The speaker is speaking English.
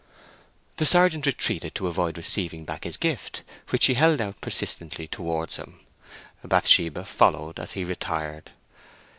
The sergeant retreated to avoid receiving back his gift, which she held out persistently towards him. Bathsheba followed as he retired.